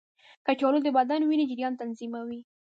کچالو د بدن وینې جریان تنظیموي.